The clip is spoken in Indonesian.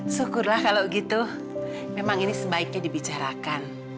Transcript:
syukurlah kalau gitu memang ini sebaiknya dibicarakan